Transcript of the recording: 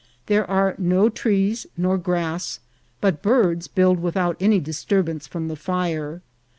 There are no Trees nor Grass, but Birds build without any Disturbance from the Fire.